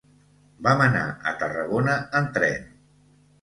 Vam anar a Tarragona en tren.